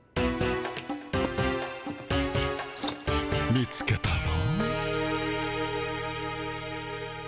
見つけたぞ。